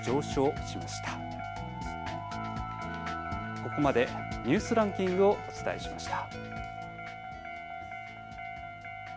ここまでニュースランキングをお伝えしました。